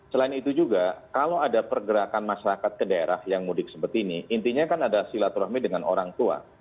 selain itu juga kalau ada pergerakan masyarakat ke daerah yang mudik seperti ini intinya kan ada silaturahmi dengan orang tua